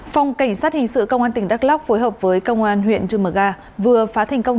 phòng cảnh sát hình sự công an tỉnh đắk lóc phối hợp với công an huyện cư mờ ga vừa phá thành công